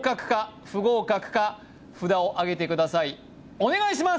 お願いします